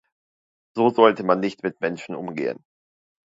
So sollte man nicht mit Menschen umgehen.